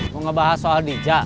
mau ngebahas soal dijak